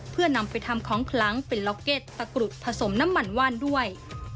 เพื่อนำไปทำของคลังเป็นล็อกเก็ตตะกรุดผสมน้ำมันว่านด้วย